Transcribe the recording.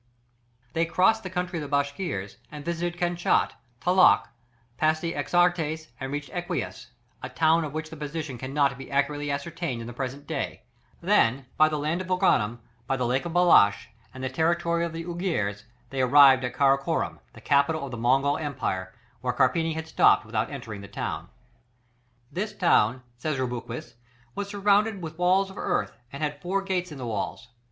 They crossed the country of the Bashkirs and visited Kenchat, Talach, passed the Axiartes and reached Equius, a town of which the position cannot be accurately ascertained in the present day; then by the land of Organum, by the Lake of Balkash, and the territory of the Uigurs, they arrived at Karakorum, the capital of the Mongolian empire, where Carpini had stopped without entering the town. This town, says Rubruquis, was surrounded with walls of earth, and had four gates in the walls.